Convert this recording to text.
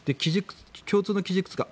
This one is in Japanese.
共通の基軸通貨